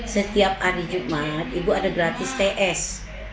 setiap hari jumat ibu ada gratis ts